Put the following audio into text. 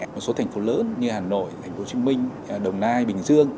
một số thành phố lớn như hà nội thành phố hồ chí minh đồng nai bình dương